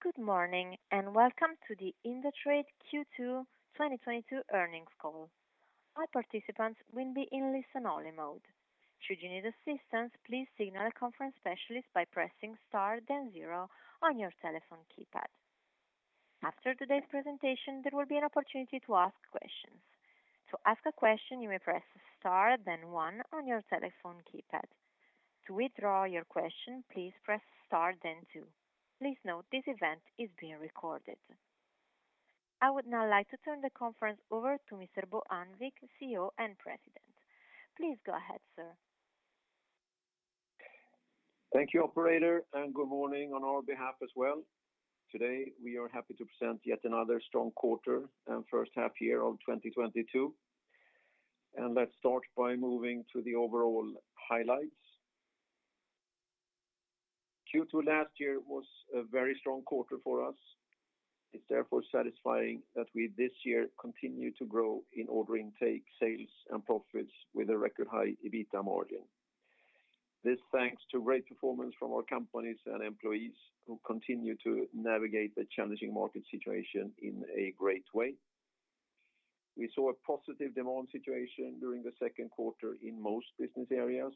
Good morning, and welcome to the Indutrade Q2 2022 earnings call. All participants will be in listen-only mode. Should you need assistance, please signal a conference specialist by pressing star then zero on your telephone keypad. After today's presentation, there will be an opportunity to ask questions. To ask a question, you may press star then one on your telephone keypad. To withdraw your question, please press star then two. Please note this event is being recorded. I would now like to turn the conference over to Mr. Bo Annvik, CEO and President. Please go ahead, sir. Thank you, operator, and good morning on our behalf as well. Today, we are happy to present yet another strong quarter and first half year of 2022. Let's start by moving to the overall highlights. Q2 last year was a very strong quarter for us. It's therefore satisfying that we this year continue to grow in order intake, sales, and profits with a record high EBITDA margin. This thanks to great performance from our companies and employees who continue to navigate the challenging market situation in a great way. We saw a positive demand situation during the second quarter in most business areas.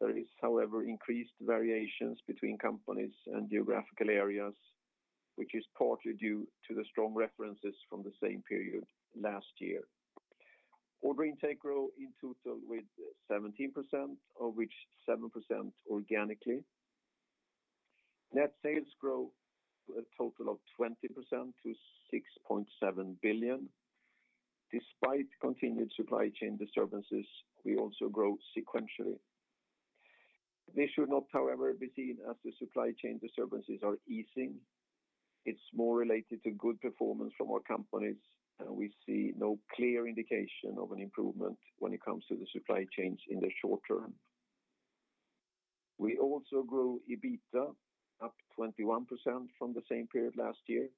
There is, however, increased variations between companies and geographical areas, which is partly due to the strong references from the same period last year. Order intake growth in total with 17%, of which 7% organically. Net sales grow a total of 20% to 6.7 billion. Despite continued supply chain disturbances, we also grow sequentially. This should not, however, be seen as the supply chain disturbances are easing. It's more related to good performance from our companies, and we see no clear indication of an improvement when it comes to the supply chains in the short term. We also grew EBITDA, up 21% from the same period last year.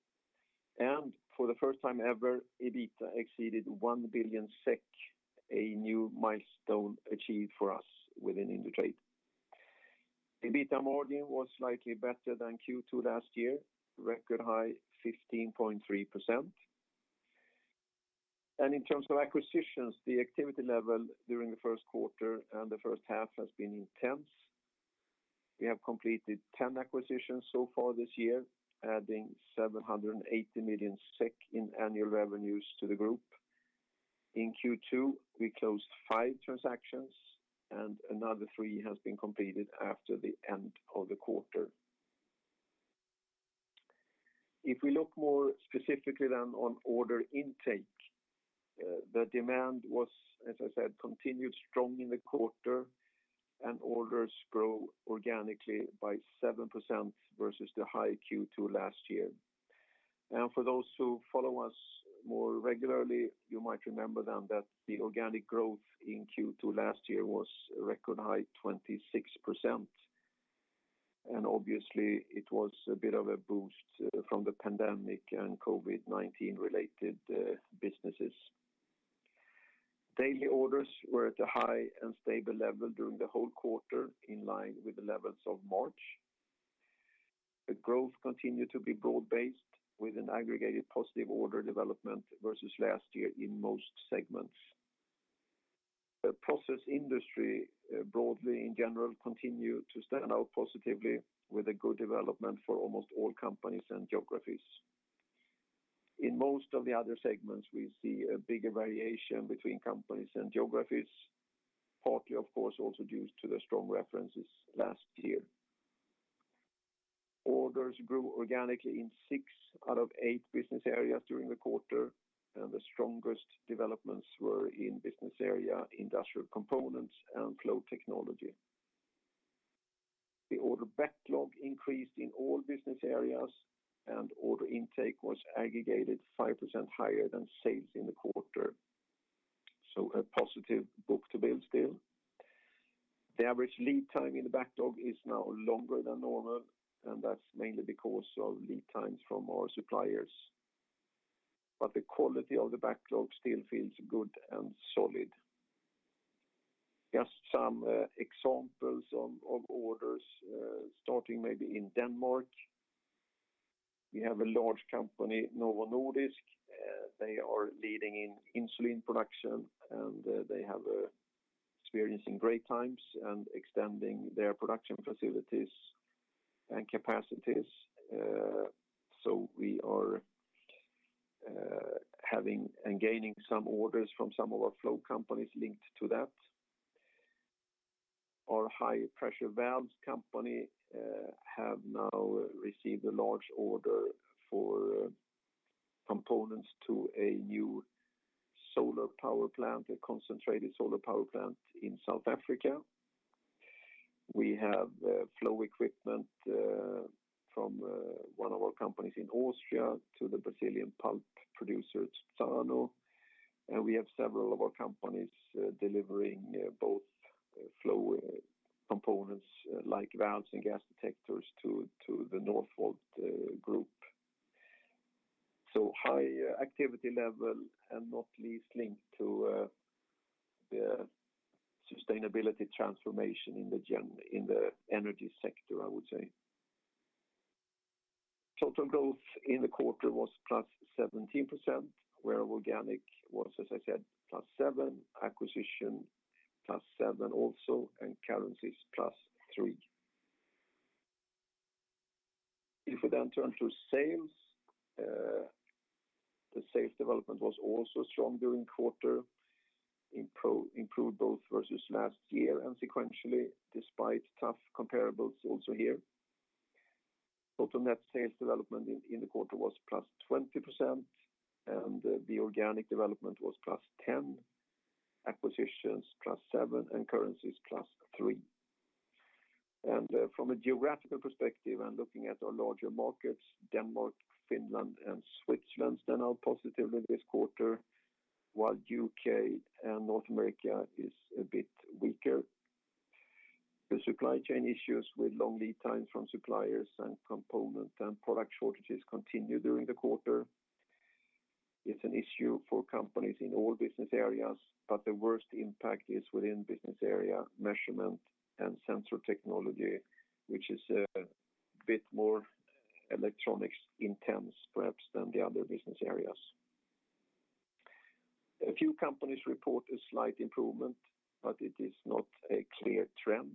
For the first time ever, EBITDA exceeded 1 billion SEK, a new milestone achieved for us within Indutrade. EBITDA margin was slightly better than Q2 last year, record high 15.3%. In terms of acquisitions, the activity level during the first quarter and the first half has been intense. We have completed 10 acquisitions so far this year, adding 780 million SEK in annual revenues to the group. In Q2, we closed five transactions, and another three has been completed after the end of the quarter. If we look more specifically then on order intake, the demand was, as I said, continued strong in the quarter and orders grow organically by 7% versus the high Q2 last year. For those who follow us more regularly, you might remember then that the organic growth in Q2 last year was a record high 26%. Obviously it was a bit of a boost from the pandemic and COVID-19 related businesses. Daily orders were at a high and stable level during the whole quarter, in line with the levels of March. The growth continued to be broad-based with an aggregated positive order development versus last year in most segments. The process industry, broadly in general, continued to stand out positively with a good development for almost all companies and geographies. In most of the other segments, we see a bigger variation between companies and geographies, partly, of course, also due to the strong references last year. Orders grew organically in six out of eight business areas during the quarter, and the strongest developments were in business area Industrial Components and Flow Technology. The order backlog increased in all business areas, and order intake was aggregated 5% higher than sales in the quarter. A positive book-to-bill still. The average lead time in the backlog is now longer than normal, and that's mainly because of lead times from our suppliers. The quality of the backlog still feels good and solid. Just some examples of orders starting maybe in Denmark. We have a large company, Novo Nordisk. They are leading in insulin production, and they are experiencing great times and extending their production facilities and capacities. So we are having and gaining some orders from some of our flow companies linked to that. Our high pressure valves company have now received a large order for components to a new solar power plant, a concentrated solar power plant in South Africa. We have flow equipment from one of our companies in Austria to the Brazilian pulp producer at Suzano. We have several of our companies delivering both flow components like valves and gas detectors to the Northvolt Group. High activity level, and not least linked to the sustainability transformation in the energy sector, I would say. Total growth in the quarter was +17%, where organic was, as I said, +7%, acquisition +7% also, and currencies +3%. If we then turn to sales, the sales development was also strong during quarter. Improved both versus last year and sequentially despite tough comparables also here. Total net sales development in the quarter was +20%, and the organic development was +10%, acquisitions +7%, and currencies +3%. From a geographical perspective and looking at our larger markets, Denmark, Finland, and Switzerland stand out positively this quarter, while U.K. and North America is a bit weaker. The supply chain issues with long lead times from suppliers and components, and product shortages continued during the quarter. It's an issue for companies in all business areas, but the worst impact is within business area Measurement and Sensor Technology, which is a bit more electronics intense perhaps than the other business areas. A few companies report a slight improvement, but it is not a clear trend.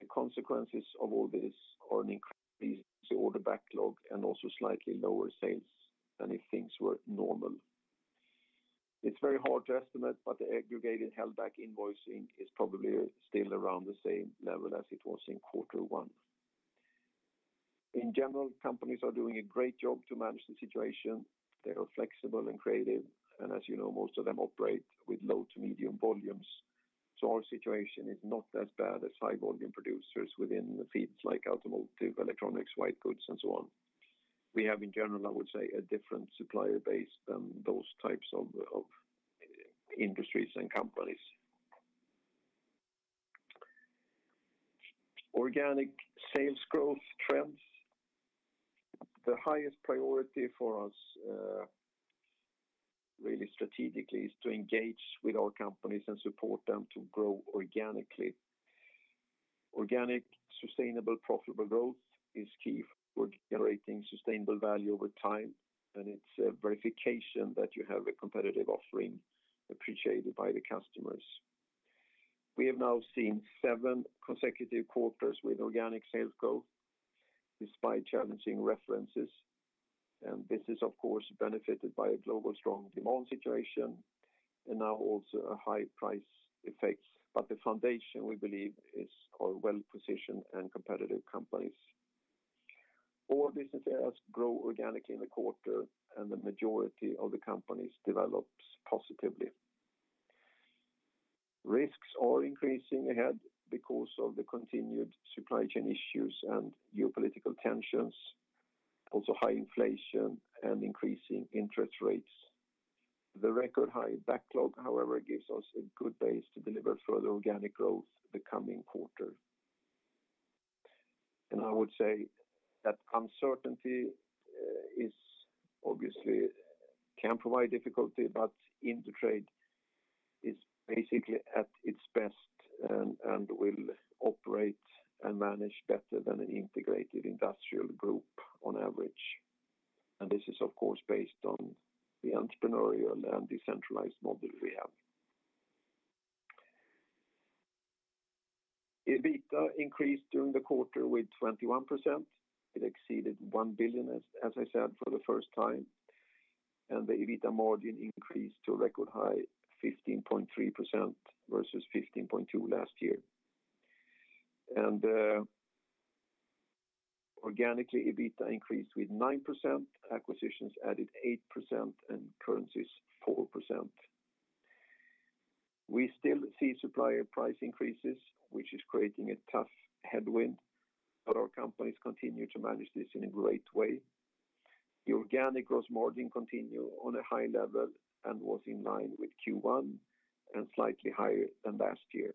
The consequences of all this are an increased order backlog and also slightly lower sales than if things were normal. It's very hard to estimate, but the aggregated held back invoicing is probably still around the same level as it was in quarter one. In general, companies are doing a great job to manage the situation. They are flexible and creative, and as you know, most of them operate with low to medium volumes. Our situation is not as bad as high volume producers within the fields like automotive, electronics, white goods, and so on. We have in general, I would say, a different supplier base than those types of industries and companies. Organic sales growth trends. The highest priority for us, really strategically is to engage with our companies and support them to grow organically. Organic, sustainable, profitable growth is key for generating sustainable value over time, and it's a verification that you have a competitive offering appreciated by the customers. We have now seen seven consecutive quarters with organic sales growth despite challenging circumstances, and this is of course benefited by a global strong demand situation and now also a high price effect. The foundation, we believe, is our well-positioned and competitive companies. All business areas grow organically in the quarter, and the majority of the companies develops positively. Risks are increasing ahead because of the continued supply chain issues and geopolitical tensions, also high inflation and increasing interest rates. The record high backlog, however, gives us a good base to deliver further organic growth the coming quarter. I would say that uncertainty is obviously can provide difficulty, but Indutrade is basically at its best and will operate and manage better than an integrated industrial group on average. This is of course based on the entrepreneurial and decentralized model we have. EBITDA increased during the quarter with 21%. It exceeded 1 billion, as I said, for the first time, and the EBITDA margin increased to a record high 15.3% versus 15.2% last year. Organically, EBITDA increased with 9%, acquisitions added 8%, and currencies 4%. We still see supplier price increases, which is creating a tough headwind, but our companies continue to manage this in a great way. The organic growth margin continue on a high level and was in line with Q1 and slightly higher than last year.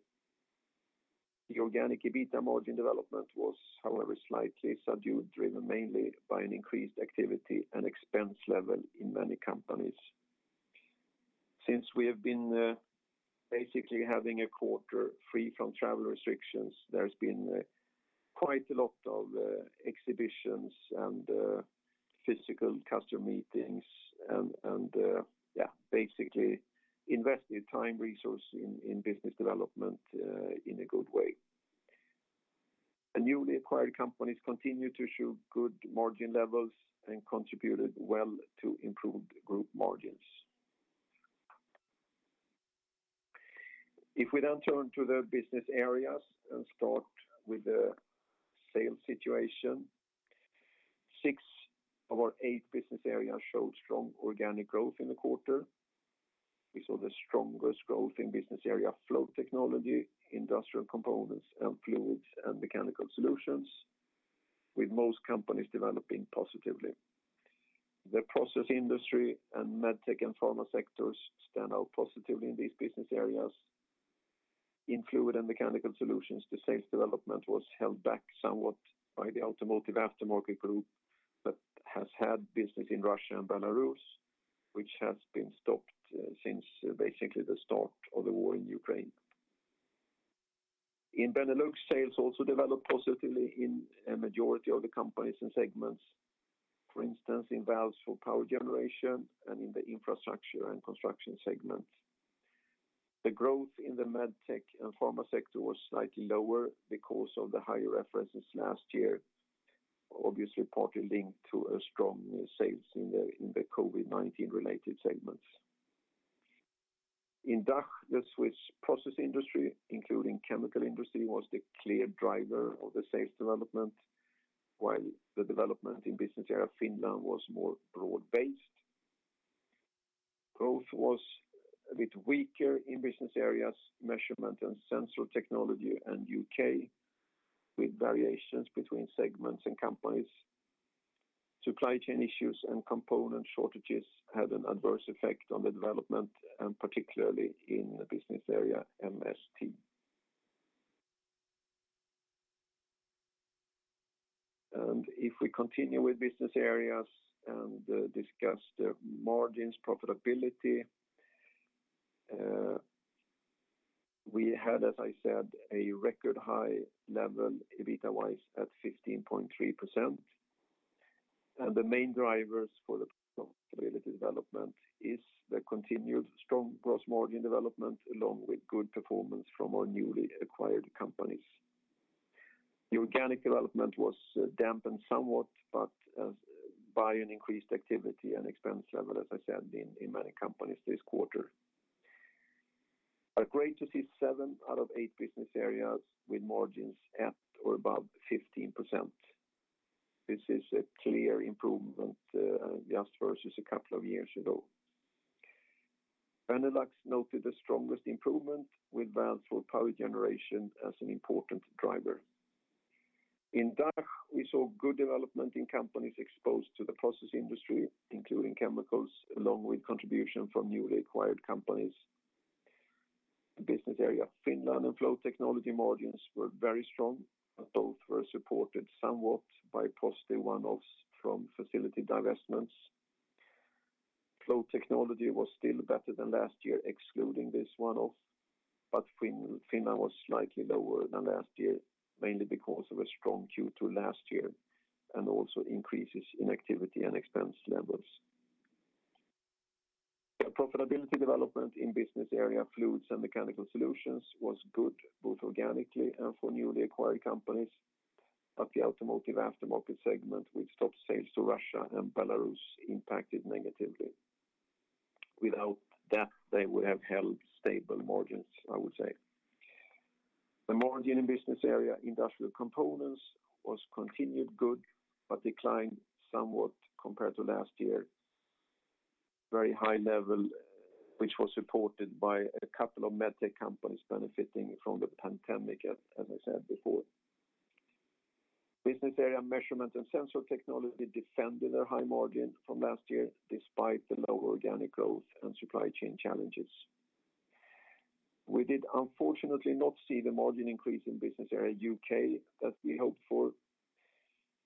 The organic EBITDA margin development was, however, slightly subdued, driven mainly by an increased activity and expense level in many companies. Since we have been basically having a quarter free from travel restrictions, there's been quite a lot of exhibitions and physical customer meetings and yeah, basically invested time resource in business development in a good way. The newly acquired companies continued to show good margin levels and contributed well to improved group margins. If we now turn to the business areas and start with the sales situation, six of our eight business areas showed strong organic growth in the quarter. We saw the strongest growth in business area Flow Technology, Industrial Components, and Fluids & Mechanical Solutions, with most companies developing positively. The process industry and med tech and pharma sectors stand out positively in these business areas. In Fluids & Mechanical Solutions, the sales development was held back somewhat by the automotive aftermarket group that has had business in Russia and Belarus, which has been stopped since basically the start of the war in Ukraine. In Benelux, sales also developed positively in a majority of the companies and segments. For instance, in valves for power generation and in the infrastructure and construction segments. The growth in the med tech and pharma sector was slightly lower because of the higher references last year, obviously partly linked to a strong sales in the COVID-19 related segments. In DACH, the Swiss process industry, including chemical industry, was the clear driver of the sales development, while the development in business area Finland was more broad-based. Growth was a bit weaker in business areas, Measurement and Sensor Technology and U.K., with variations between segments and companies. Supply chain issues and component shortages had an adverse effect on the development, and particularly in the business area MST. If we continue with business areas and discuss the margins profitability, we had, as I said, a record high level EBITDA-wise at 15.3%. The main drivers for the profitability development is the continued strong gross margin development, along with good performance from our newly acquired companies. The organic development was dampened somewhat, but by an increased activity and expense level, as I said, in many companies this quarter. Great to see seven out of eight business areas with margins at or above 15%. This is a clear improvement, just versus a couple of years ago. Benelux noted the strongest improvement with valves for power generation as an important driver. In DACH, we saw good development in companies exposed to the process industry, including chemicals, along with contribution from newly acquired companies. Business area Finland and Flow Technology margins were very strong, but both were supported somewhat by positive one-offs from facility divestments. Flow Technology was still better than last year, excluding this one-off, but Finland was slightly lower than last year, mainly because of a strong Q2 last year, and also increases in activity and expense levels. The profitability development in business area Fluids & Mechanical Solutions was good, both organically and for newly acquired companies, but the automotive aftermarket segment, which stopped sales to Russia and Belarus, impacted negatively. Without that, they would have held stable margins, I would say. The margin in business area Industrial Components was continued good, but declined somewhat compared to last year. Very high level, which was supported by a couple of med tech companies benefiting from the pandemic, as I said before. Business area Measurement and Sensor Technology defended their high margin from last year, despite the lower organic growth and supply chain challenges. We did unfortunately not see the margin increase in business area U.K. as we hoped for.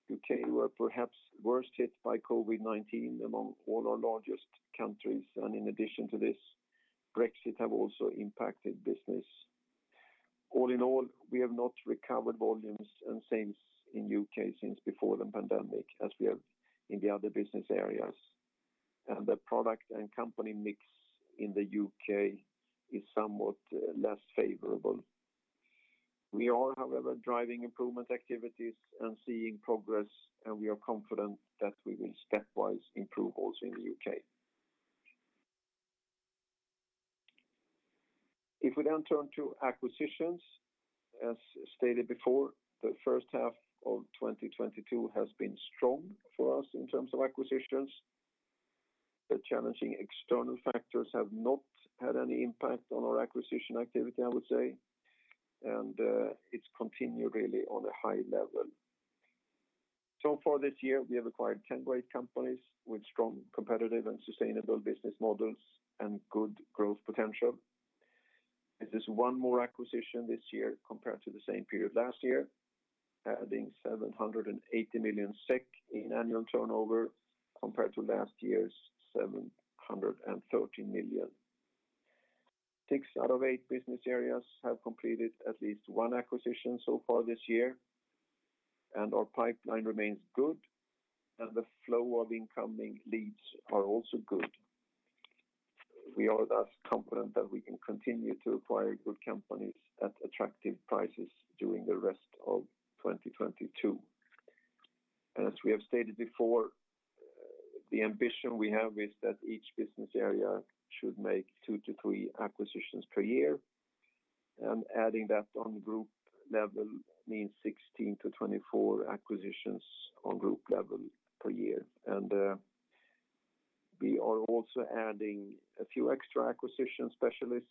U.K. were perhaps worst hit by COVID-19 among all our largest countries, and in addition to this, Brexit have also impacted business. All in all, we have not recovered volumes and sales in U.K. since before the pandemic, as we have in the other business areas. The product and company mix in the U.K. is somewhat less favorable. We are, however, driving improvement activities and seeing progress, and we are confident that we will stepwise improve also in the U.K. If we then turn to acquisitions, as stated before, the first half of 2022 has been strong for us in terms of acquisitions. The challenging external factors have not had any impact on our acquisition activity, I would say. It's continued really on a high level. So far this year, we have acquired 10 great companies with strong competitive and sustainable business models and good growth potential. This is one more acquisition this year compared to the same period last year, adding 780 million SEK in annual turnover compared to last year's 730 million. Six out of eight business areas have completed at least one acquisition so far this year, and our pipeline remains good, and the flow of incoming leads are also good. We are, thus, confident that we can continue to acquire good companies at attractive prices during the rest of 2022. As we have stated before, the ambition we have is that each business area should make two to three acquisitions per year, and adding that on group level means 16-24 acquisitions on group level per year. We are also adding a few extra acquisition specialists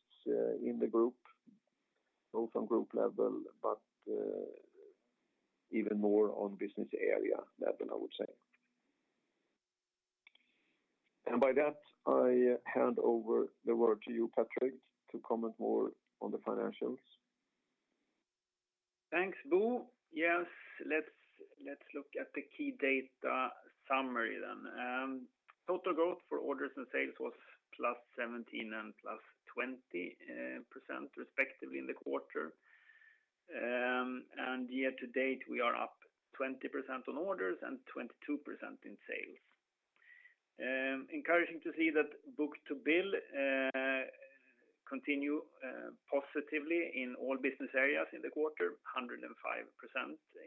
in the group, both on group level, but even more on business area level, I would say. By that, I hand over the word to you, Patrik, to comment more on the financials. Thanks, Bo. Yes. Let's look at the key data summary then. Total growth for orders and sales was +17% and +20% respectively in the quarter. Year to date, we are up 20% on orders and 22% in sales. Encouraging to see that book-to-bill continue positively in all business areas in the quarter, 105%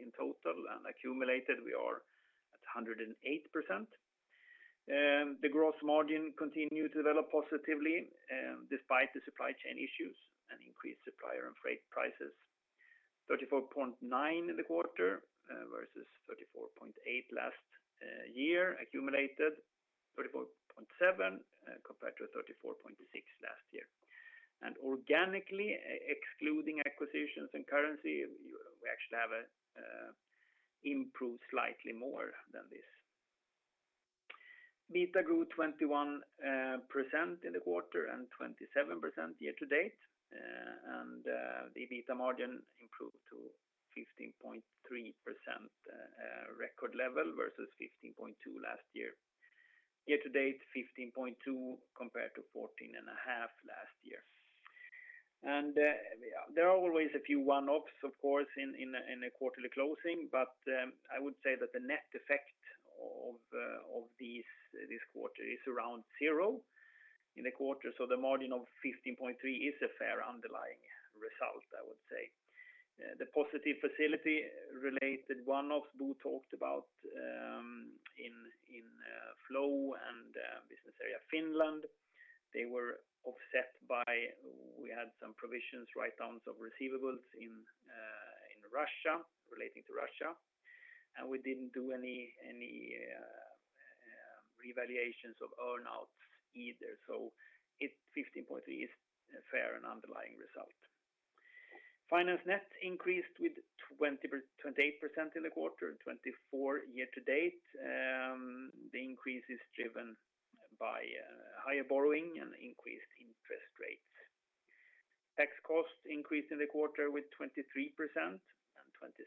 in total, and accumulated we are at 108%. The growth margin continued to develop positively, despite the supply chain issues and increased supplier and freight prices. 34.9% in the quarter, versus 34.8% last year accumulated. 34.7%, compared to 34.6% last year. Organically excluding acquisitions and currency, we actually have improved slightly more than this. EBITDA grew 21% in the quarter and 27% year-to-date. The EBITDA margin improved to 15.3%, a record level versus 15.2% last year. Year-to-date, 15.2% compared to 14.5% last year. There are always a few one-offs, of course, in a quarterly closing, but I would say that the net effect of this quarter is around zero in the quarter. The margin of 15.3 is a fair underlying result, I would say. The positive facility-related one-offs Bo talked about in Flow and business area Finland were offset by we had some provisions, write-downs of receivables in Russia, relating to Russia. We didn't do any revaluations of earnouts either. 15.3 is a fair and underlying result. Finance net increased with 28% in the quarter, 24% year to date. The increase is driven by higher borrowing and increased interest rates. Tax costs increased in the quarter with 23% and 27%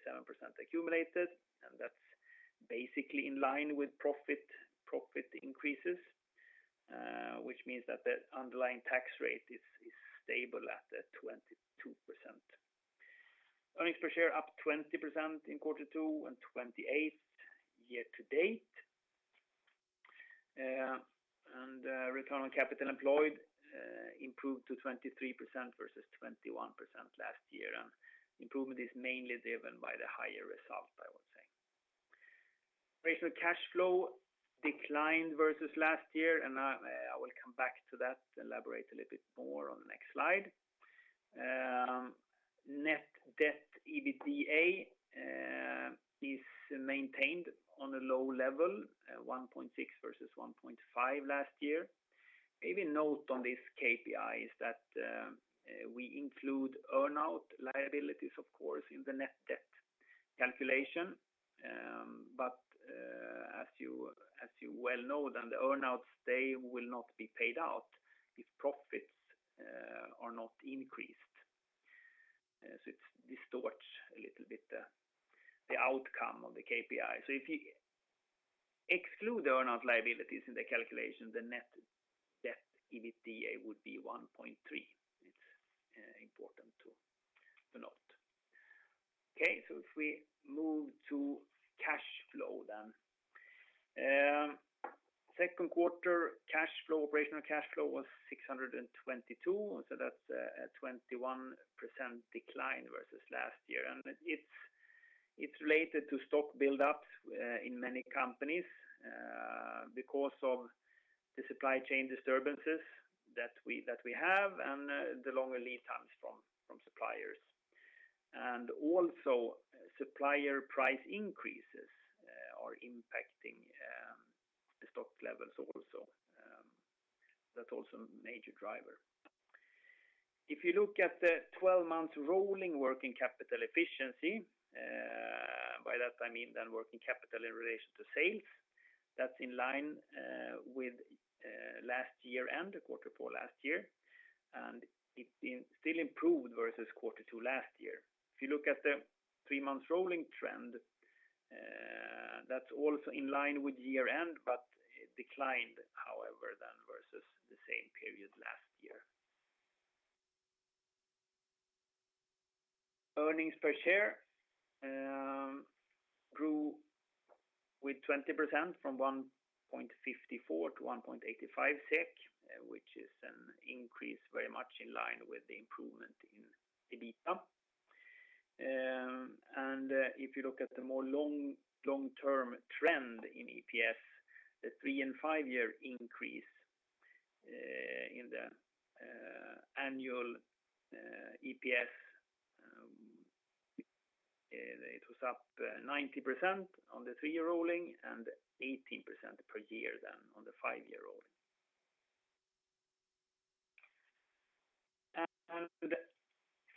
accumulated, and that's basically in line with profit increases, which means that the underlying tax rate is stable at 22%. Earnings per share up 20% in quarter two and 28% year to date. Return on capital employed improved to 23% versus 21% last year. Improvement is mainly driven by the higher result, I would say. Operational cash flow declined versus last year, and I will come back to that, elaborate a little bit more on the next slide. Net debt/EBITDA is maintained on a low level, 1.6 versus 1.5 last year. A note on this KPI is that we include earnout liabilities, of course, in the net debt calculation. But as you well know, then the earnouts they will not be paid out if profits are not increased. It distorts a little bit the outcome of the KPI. If you exclude the earnout liabilities in the calculation, the net debt/EBITDA would be 1.3. It's important to note. Okay. If we move to cash flow then. Second quarter cash flow, operational cash flow was 622. That's a 21% decline versus last year. It's related to stock build-ups in many companies because of the supply chain disturbances that we have and the longer lead times from suppliers. Also supplier price increases are impacting the stock levels also. That's also a major driver. If you look at the 12-month rolling working capital efficiency, by that I mean then working capital in relation to sales, that's in line with last year and the quarter four last year, and it still improved versus quarter two last year. If you look at the three-month rolling trend, that's also in line with year end, but it declined, however, than versus the same period last year. Earnings per share grew with 20% from 1.54 to 1.85 SEK, which is an increase very much in line with the improvement in the EBITDA. If you look at the long-term trend in EPS, the three and five-year increase in the annual EPS, it was up 90% on the three-year rolling and 18% per year on the five-year rolling.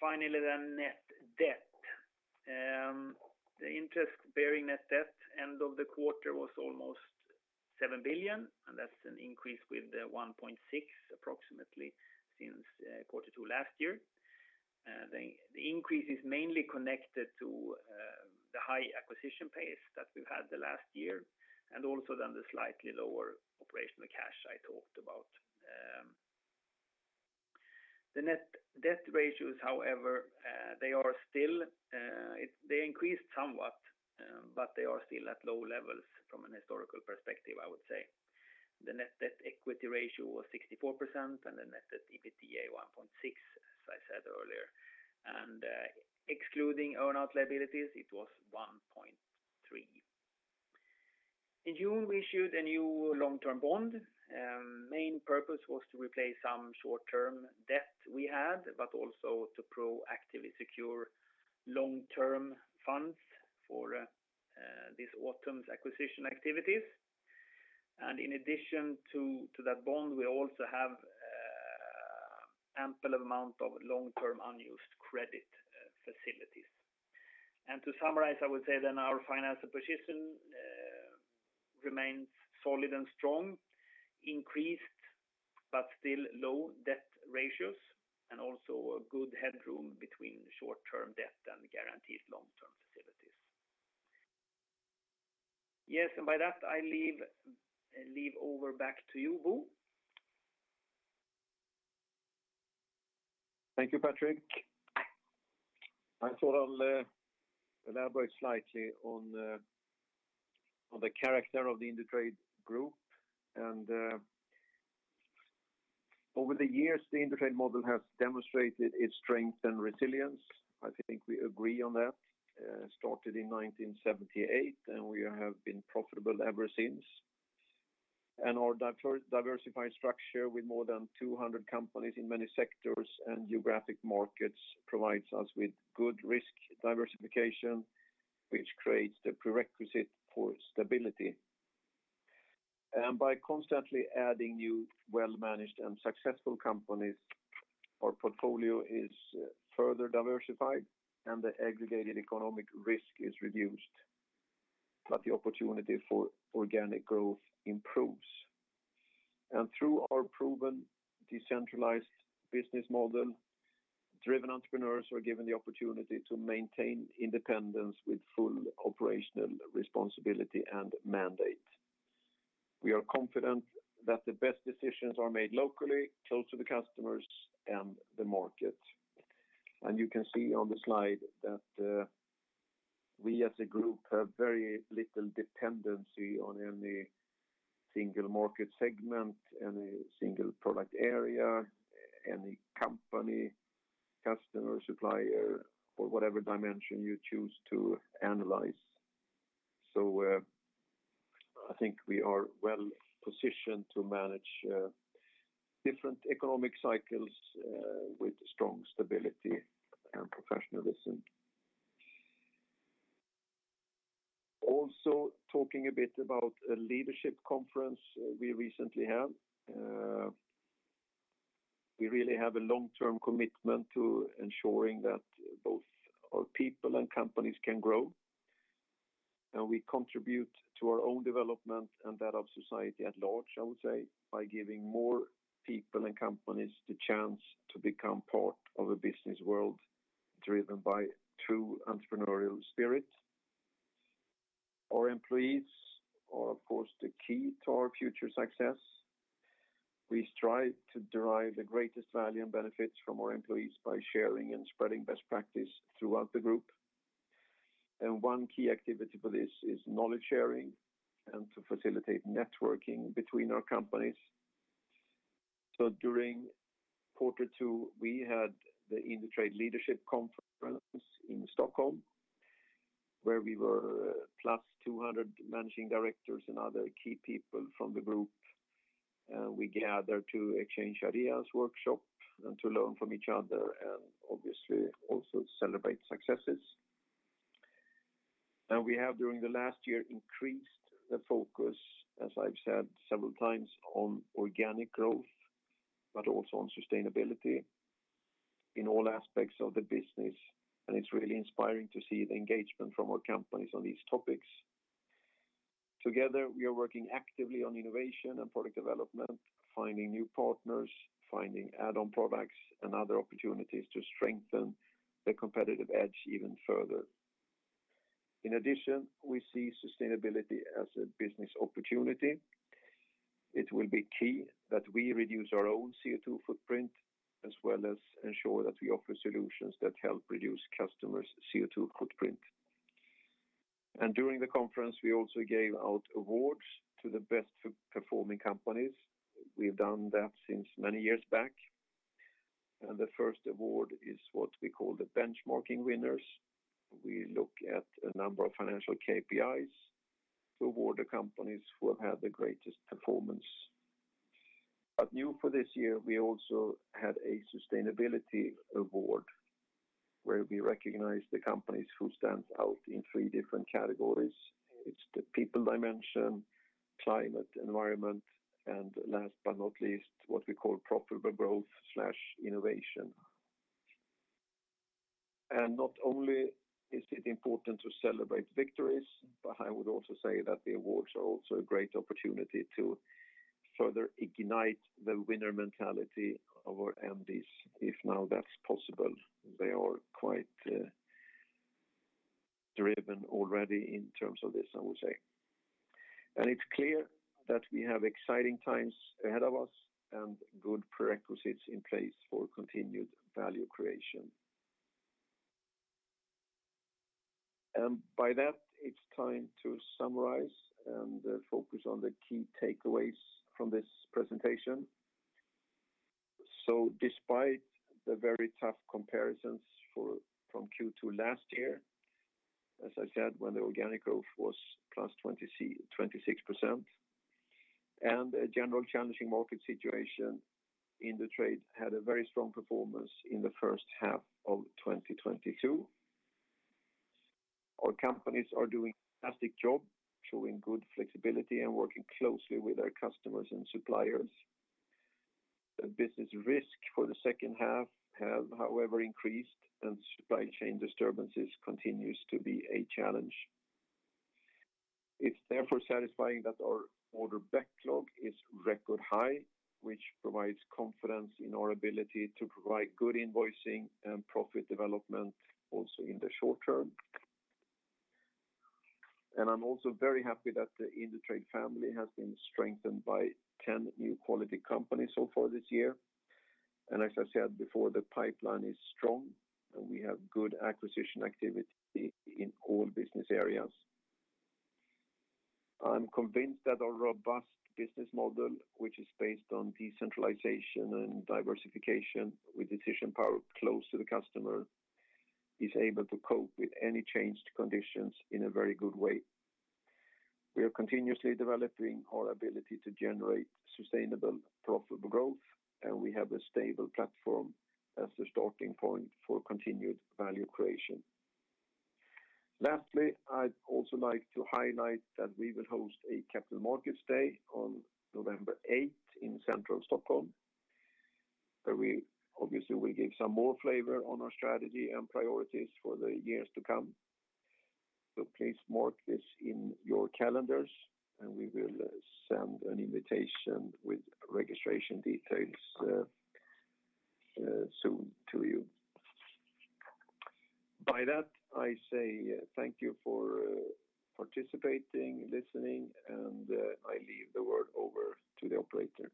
Finally net debt. The interest-bearing net debt end of the quarter was almost 7 billion, and that's an increase with 1.6 approximately since Q2 last year. The increase is mainly connected to the high acquisition pace that we've had the last year and also the slightly lower operational cash I talked about. The net debt ratios, however, they increased somewhat, but they are still at low levels from an historical perspective, I would say. The net debt/equity ratio was 64% and the net debt/EBITDA 1.6, as I said earlier. Excluding earnout liabilities, it was 1.3. In June, we issued a new long-term bond. Main purpose was to replace some short-term debt we had, but also to proactively secure long-term funds for this autumn's acquisition activities. In addition to that bond, we also have ample amount of long-term unused credit facilities. To summarize, I would say our financial position remains solid and strong, increased but still low debt ratios, and also a good headroom between short-term debt and guaranteed long-term facilities. Yes, by that, I leave over back to you, Bo. Thank you, Patrik. I thought I'll elaborate slightly on the character of the Indutrade Group. Over the years, the Indutrade model has demonstrated its strength and resilience. I think we agree on that. Started in 1978, we have been profitable ever since. Our diversified structure with more than 200 companies in many sectors and geographic markets provides us with good risk diversification, which creates the prerequisite for stability. By constantly adding new well-managed and successful companies, our portfolio is further diversified, and the aggregated economic risk is reduced, but the opportunity for organic growth improves. Through our proven decentralized business model, driven entrepreneurs are given the opportunity to maintain independence with full operational responsibility and mandate. We are confident that the best decisions are made locally, close to the customers and the market. You can see on the slide that, we as a group have very little dependency on any single market segment, any single product area, any company, customer, supplier, or whatever dimension you choose to analyze. I think we are well-positioned to manage, different economic cycles, with strong stability and professionalism. Also, talking a bit about a leadership conference we recently had. We really have a long-term commitment to ensuring that both our people and companies can grow. We contribute to our own development and that of society at large, I would say, by giving more people and companies the chance to become part of a business world driven by true entrepreneurial spirit. Our employees are, of course, the key to our future success. We strive to derive the greatest value and benefits from our employees by sharing and spreading best practice throughout the group. One key activity for this is knowledge sharing and to facilitate networking between our companies. During quarter two, we had the Indutrade Leadership Conference in Stockholm, where we were plus 200 managing directors and other key people from the group. We gathered to exchange ideas, workshop, and to learn from each other, and obviously also celebrate successes. We have during the last year increased the focus, as I've said several times, on organic growth, but also on sustainability in all aspects of the business. It's really inspiring to see the engagement from our companies on these topics. Together, we are working actively on innovation and product development, finding new partners, finding add-on products, and other opportunities to strengthen the competitive edge even further. In addition, we see sustainability as a business opportunity. It will be key that we reduce our own CO2 footprint, as well as ensure that we offer solutions that help reduce customers' CO2 footprint. During the conference, we also gave out awards to the best performing companies. We've done that since many years back. The first award is what we call the benchmarking winners. We look at a number of financial KPIs to award the companies who have had the greatest performance. New for this year, we also had a sustainability award. Where we recognize the companies who stand out in three different categories. It's the people dimension, climate environment, and last but not least, what we call profitable growth/innovation. Not only is it important to celebrate victories, but I would also say that the awards are also a great opportunity to further ignite the winner mentality of our MDs, if now that's possible. They are quite driven already in terms of this, I would say. It's clear that we have exciting times ahead of us and good prerequisites in place for continued value creation. By that, it's time to summarize and focus on the key takeaways from this presentation. Despite the very tough comparisons for Q2 last year, as I said, when the organic growth was +26%, and a general challenging market situation, Indutrade had a very strong performance in the first half of 2022. Our companies are doing a fantastic job, showing good flexibility and working closely with our customers and suppliers. The business risk for the second half have, however, increased, and supply chain disturbances continues to be a challenge. It's therefore satisfying that our order backlog is record high, which provides confidence in our ability to provide good invoicing and profit development also in the short term. I'm also very happy that the Indutrade family has been strengthened by 10 new quality companies so far this year. As I said before, the pipeline is strong, and we have good acquisition activity in all business areas. I'm convinced that our robust business model, which is based on decentralization and diversification with decision power close to the customer, is able to cope with any changed conditions in a very good way. We are continuously developing our ability to generate sustainable, profitable growth, and we have a stable platform as the starting point for continued value creation. Lastly, I'd also like to highlight that we will host a Capital Markets Day on November eighth in central Stockholm, where we obviously will give some more flavor on our strategy and priorities for the years to come. Please mark this in your calendars, and we will send an invitation with registration details, soon to you. By that, I say thank you for participating, listening, and I leave the word over to the operator.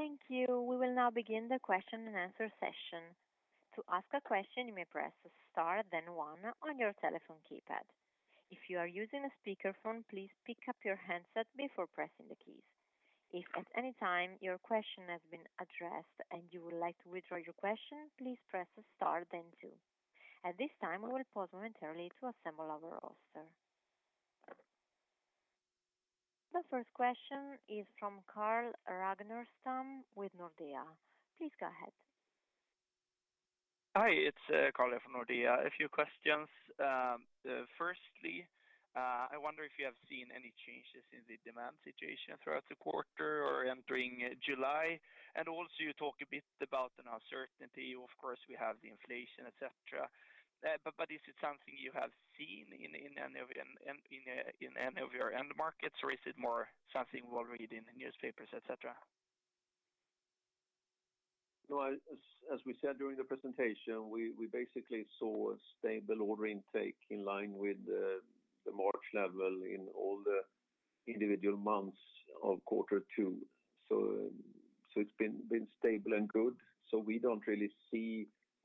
Thank you. We will now begin the question-and-answer session. To ask a question, you may press star then one on your telephone keypad. If you are using a speakerphone, please pick up your handset before pressing the keys. If at any time your question has been addressed and you would like to withdraw your question, please press star then two. At this time, we will pause momentarily to assemble our roster. The first question is from Carl Ragnerstam with Nordea. Please go ahead. Hi, it's Carl from Nordea. A few questions. Firstly, I wonder if you have seen any changes in the demand situation throughout the quarter or entering July. Also you talk a bit about an uncertainty. Of course, we have the inflation, et cetera. But is it something you have seen in any of your end markets, or is it more something we'll read in the newspapers, et cetera? No, as we said during the presentation, we basically saw a stable order intake in line with the March level in all the individual months of quarter two. It's been stable and good. We don't really.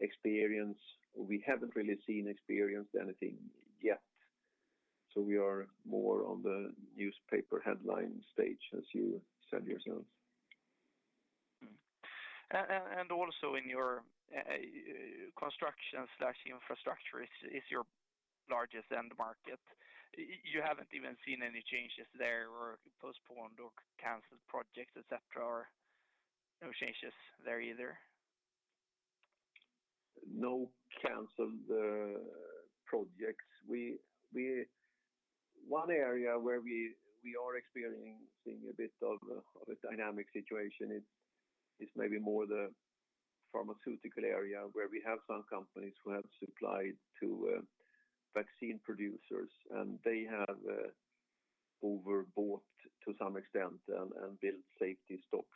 We haven't really seen, experienced anything yet. We are more on the newspaper headline stage, as you said yourself. Also in your construction/infrastructure is your largest end market. You haven't even seen any changes there or postponed or canceled projects, et cetera, or no changes there either? No canceled projects. One area where we are experiencing a bit of a dynamic situation is maybe more the pharmaceutical area where we have some companies who have supplied to vaccine producers, and they have overbought to some extent and built safety stocks.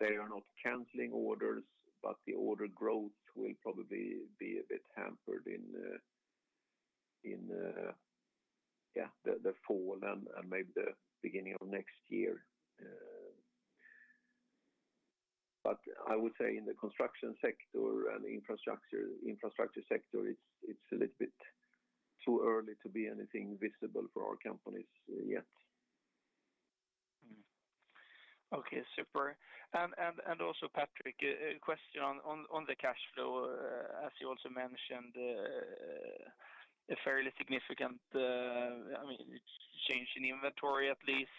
They are not canceling orders, but the order growth will probably be a bit hampered in the fall and maybe the beginning of next year. I would say in the construction sector and infrastructure sector, it's a little bit too early to be anything visible for our companies yet. Okay, super. And also, Patrik, a question on the cash flow, as you also mentioned, a fairly significant, I mean, change in inventory at least.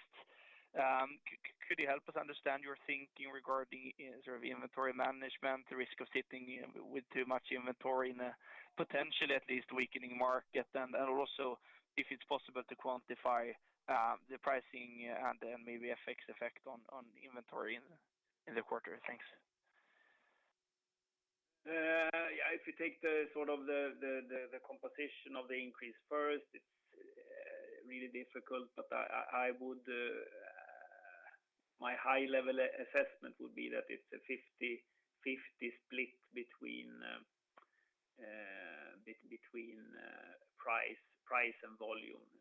Could you help us understand your thinking regarding sort of inventory management, the risk of sitting with too much inventory in a potentially at least weakening market? And also if it's possible to quantify the pricing and then maybe FX effect on inventory in the quarter. Thanks. Yeah, if you take the sort of the composition of the increase first, it's really difficult, but I would. My high level assessment would be that it's a 50/50 split between price and volume, and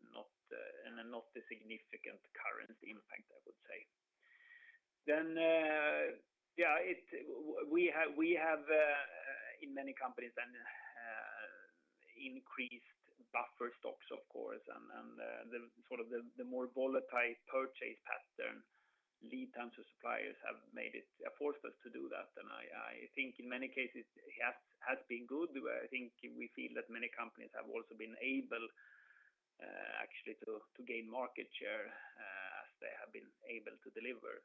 not a significant currency impact, I would say. Then, yeah, it. We have in many companies then increased buffer stocks of course, and the sort of the more volatile purchase pattern lead times to suppliers have forced us to do that. I think in many cases it has been good. I think we feel that many companies have also been able, actually to gain market share, as they have been able to deliver.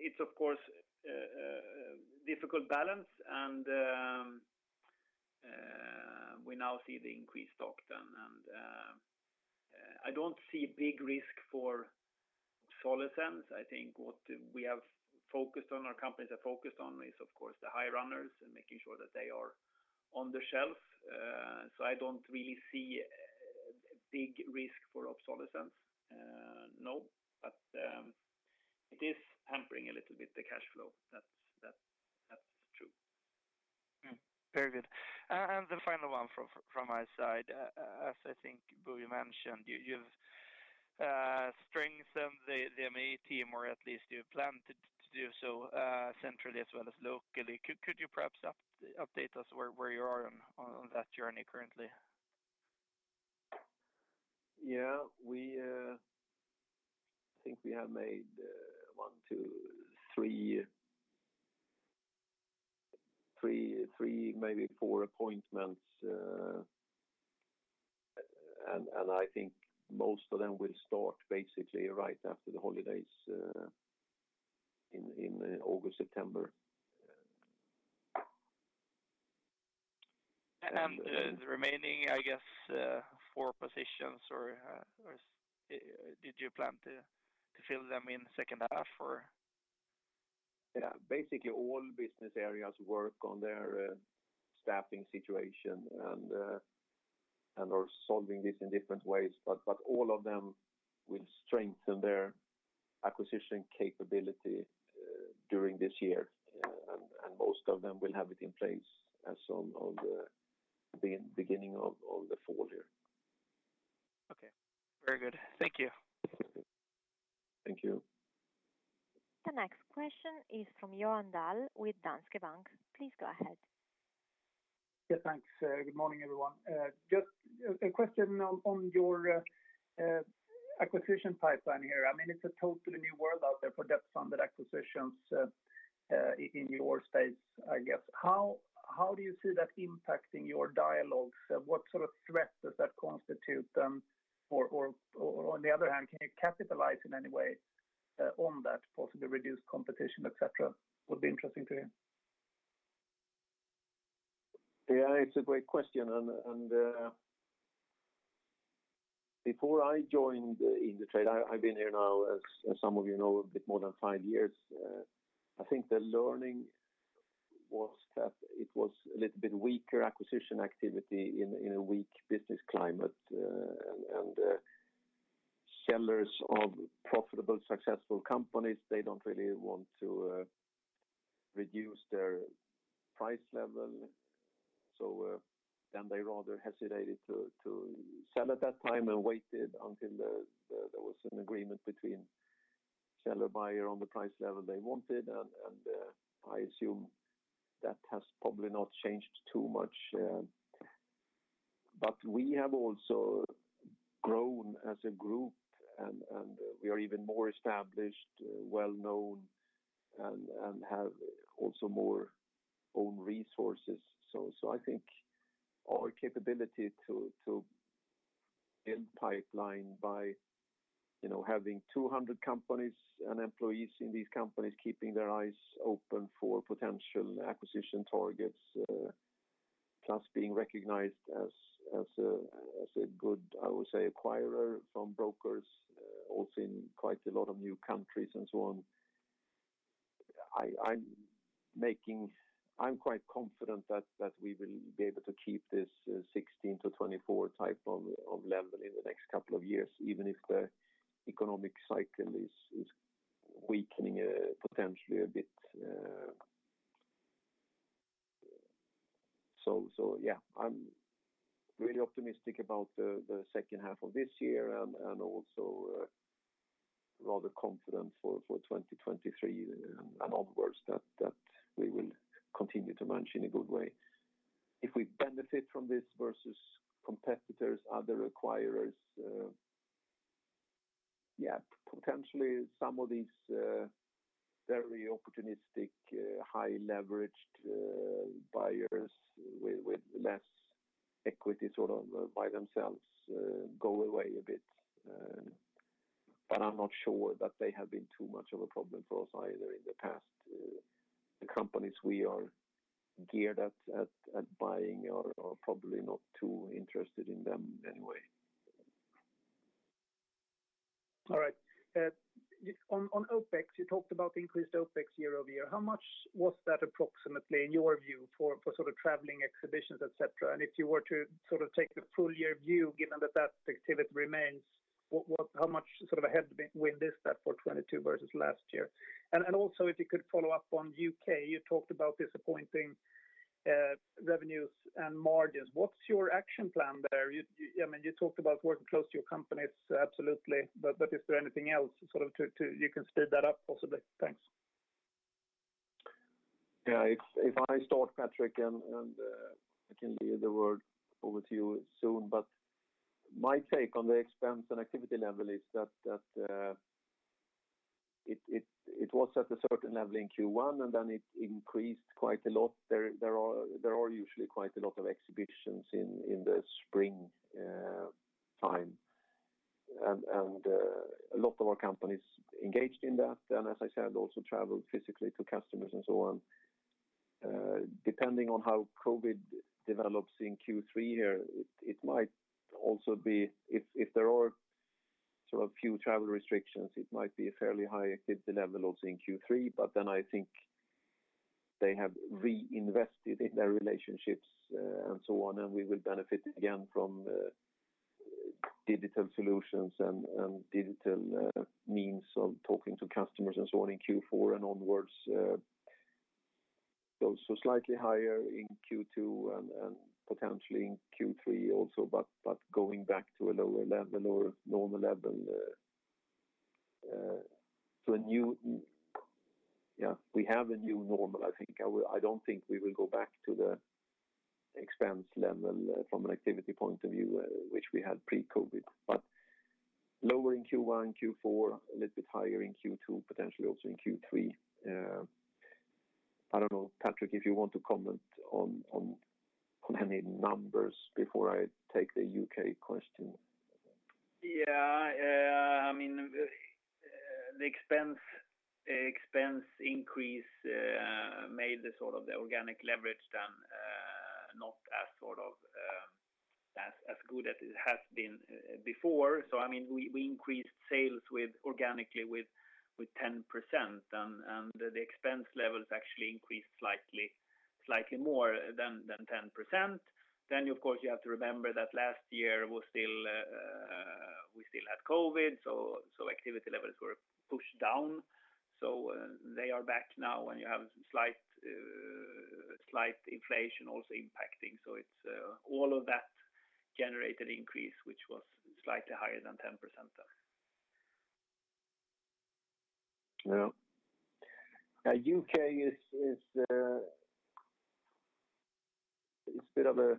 It's of course a difficult balance and we now see the increased stock then. I don't see big risk for obsolescence. I think what we have focused on, our companies have focused on is of course the high runners and making sure that they are on the shelf. I don't really see a big risk for obsolescence. No, but it is hampering a little bit the cash flow. That's true. Very good. The final one from my side. As I think Bo mentioned, you've strengthened the M&A team, or at least you plan to do so, centrally as well as locally. Could you perhaps update us where you are on that journey currently? Yeah, I think we have made one, two, three, maybe four appointments. I think most of them will start basically right after the holidays in August, September. The remaining, I guess, four positions or did you plan to fill them in the second half or? Yeah. Basically all business areas work on their staffing situation and are solving this in different ways, but all of them will strengthen their acquisition capability during this year. Most of them will have it in place as of the beginning of the fiscal year. Okay. Very good. Thank you. Thank you. The next question is from Johan Dahl with Danske Bank. Please go ahead. Yeah, thanks. Good morning, everyone. Just a question on your acquisition pipeline here. I mean, it's a totally new world out there for debt-funded acquisitions in your space, I guess. How do you see that impacting your dialogues? What sort of threat does that constitute to them? Or on the other hand, can you capitalize in any way on that possibly reduced competition, et cetera? Would be interesting to hear. Yeah, it's a great question. Before I joined Indutrade, I've been here now, as some of you know, a bit more than five years. I think the learning was that it was a little bit weaker acquisition activity in a weak business climate. Sellers of profitable, successful companies, they don't really want to reduce their price level. Then they rather hesitated to sell at that time and waited until there was an agreement between seller, buyer on the price level they wanted. I assume that has probably not changed too much. We have also grown as a group and we are even more established, well-known and have also more own resources. I think our capability to build pipeline by, you know, having 200 companies and employees in these companies keeping their eyes open for potential acquisition targets, plus being recognized as a good, I would say, acquirer from brokers, also in quite a lot of new countries and so on. I'm quite confident that we will be able to keep this 16-24 type of level in the next couple of years, even if the economic cycle is weakening, potentially a bit. Yeah, I'm really optimistic about the second half of this year and also rather confident for 2023 and onwards that we will continue to manage in a good way. If we benefit from this versus competitors, other acquirers, yeah, potentially some of these very opportunistic highly leveraged buyers with less equity sort of by themselves go away a bit. But I'm not sure that they have been too much of a problem for us either in the past. The companies we are geared at buying are probably not too interested in them anyway. All right. On OpEx, you talked about increased OpEx year-over-year. How much was that approximately in your view for sort of traveling exhibitions, et cetera? If you were to sort of take the full year view, given that activity remains, what how much sort of a headwind is that for 2022 versus last year? If you could follow up on U.K., you talked about disappointing revenues and margins. What's your action plan there? You, I mean, you talked about working close to your companies, absolutely. Is there anything else sort of to you can speed that up possibly? Thanks. Yeah. If I start, Patrik, and I can give the word over to you soon. My take on the expense and activity level is that it was at a certain level in Q1, and then it increased quite a lot. There are usually quite a lot of exhibitions in the spring time. And a lot of our companies engaged in that. As I said, also traveled physically to customers and so on. Depending on how COVID develops in Q3 here, it might also be if there are sort of few travel restrictions, it might be a fairly high activity level also in Q3. I think they have reinvested in their relationships, and so on, and we will benefit again from digital solutions and digital means of talking to customers and so on in Q4 and onwards. So slightly higher in Q2 and potentially in Q3 also, but going back to a lower level or normal level. We have a new normal, I think. I don't think we will go back to the expense level from an activity point of view, which we had pre-COVID, but lower in Q1, Q4, a little bit higher in Q2, potentially also in Q3. I don't know, Patrik, if you want to comment on any numbers before I take the U.K. question. Yeah. I mean, the expense increase made the organic leverage then not as good as it has been before. I mean, we increased sales organically with 10% and the expense levels actually increased slightly more than 10%. Of course, you have to remember that last year we still had COVID, so activity levels were pushed down. They are back now and you have a slight inflation also impacting. It's all of that generated increase which was slightly higher than 10% though. Yeah. Now the U.K. is a bit of a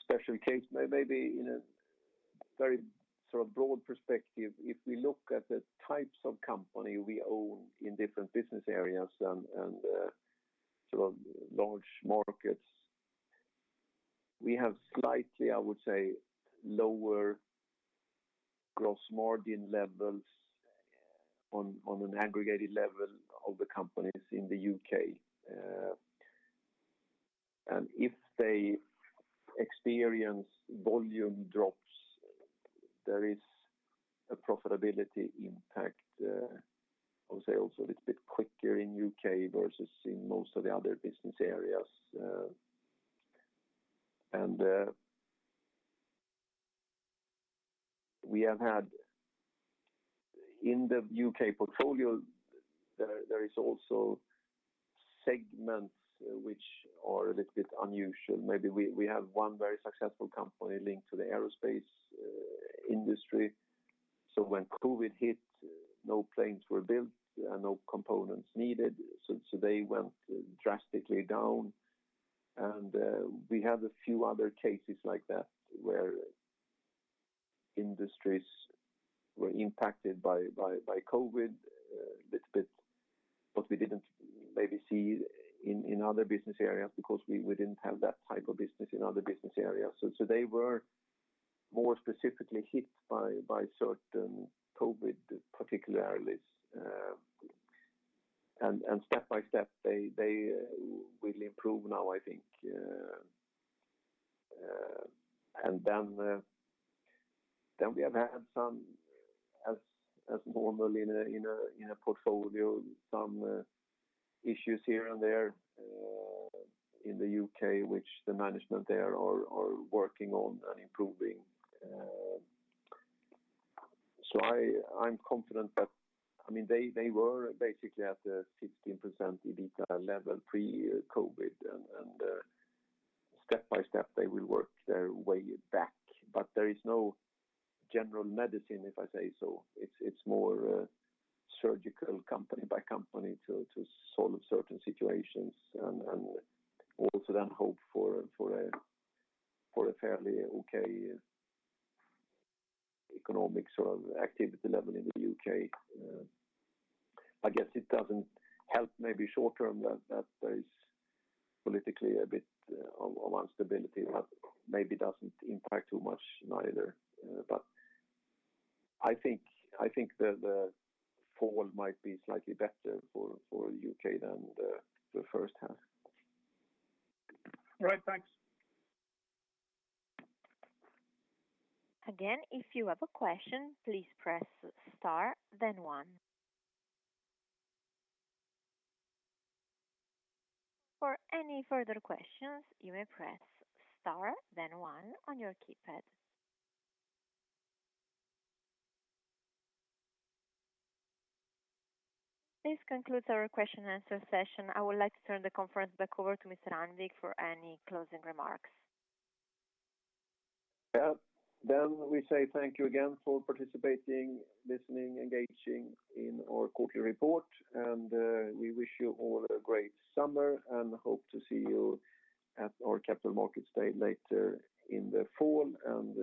special case. Maybe in a very sort of broad perspective, if we look at the types of company we own in different business areas and sort of large markets, we have slightly, I would say, lower gross margin levels on an aggregated level of the companies in the U.K. If they experience volume drops, there is a profitability impact, I would say also a little bit quicker in the U.K. versus in most of the other business areas. We have had in the U.K. portfolio. There is also segments which are a little bit unusual. Maybe we have one very successful company linked to the aerospace industry. When COVID hit, no planes were built and no components needed, so they went drastically down. We have a few other cases like that where industries were impacted by COVID a little bit, but we didn't maybe see in other business areas because we didn't have that type of business in other business areas. They were more specifically hit by certain COVID particularities. Step by step they will improve now, I think. We have had some, as normal in a portfolio, some issues here and there in the U.K., which the management there are working on and improving. I'm confident that, I mean, they were basically at a 16% EBITDA level pre-COVID and step by step they will work their way back. There is no general medicine, if I say so. It's more surgical company by company to solve certain situations and also then hope for a fairly okay economic sort of activity level in the U.K. I guess it doesn't help maybe short term that there is politically a bit of instability, but maybe doesn't impact too much neither. I think the fall might be slightly better for U.K. than the first half. All right. Thanks. Again, if you have a question, please press star then one. For any further questions, you may press star then one on your keypad. This concludes our question and answer session. I would like to turn the conference back over to Mr. Annvik for any closing remarks. Yeah. We say thank you again for participating, listening, engaging in our quarterly report. We wish you all a great summer and hope to see you at our Capital Markets Day later in the fall and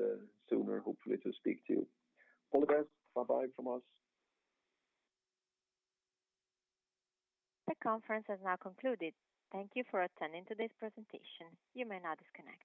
sooner, hopefully to speak to you. All the best. Bye-bye from us. The conference has now concluded. Thank you for attending today's presentation. You may now disconnect.